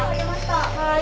はい。